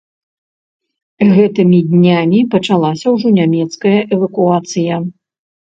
Гэтымі днямі пачалася ўжо нямецкая эвакуацыя.